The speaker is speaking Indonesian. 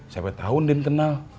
siapa tau din kenal